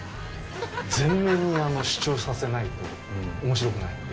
全面に主張させないとおもしろくないんで。